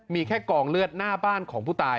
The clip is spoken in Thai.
มีแค่กองเลือดหน้าบ้านของผู้ตาย